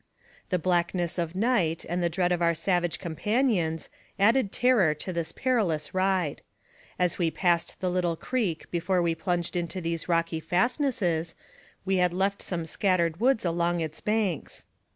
The blackness of night, and the dread of our savage companions, added terror to this perilous ride. As we passed the little creek before we plunged into these rocky fastnesses, we had left some scattered woods along its banks.